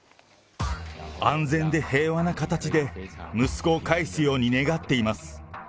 安全で平和な形で息子を返すように願っています。